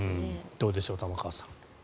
どうでしょう、玉川さん。